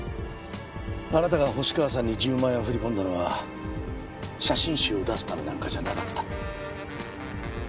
あなたが星川さんに１０万円を振り込んだのは写真集を出すためなんかじゃなかった。